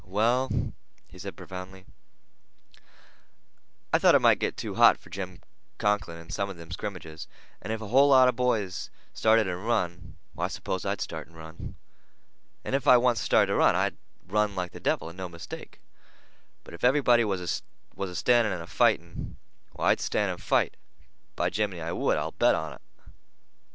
"Well," said he profoundly, "I've thought it might get too hot for Jim Conklin in some of them scrimmages, and if a whole lot of boys started and run, why, I s'pose I'd start and run. And if I once started to run, I'd run like the devil, and no mistake. But if everybody was a standing and a fighting, why, I'd stand and fight. Be jiminey, I would. I'll bet on it."